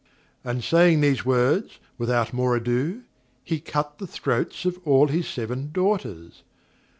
And saying these words, without more ado, he cut the throats of all his seven daughters.